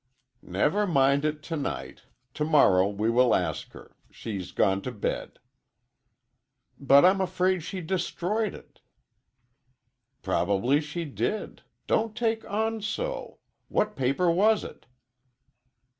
"Never mind it tonight. Tomorrow we will ask her. She's gone to bed." "But I'm afraid she destroyed it!" "Probably she did. Don't take on so. What paper was it?"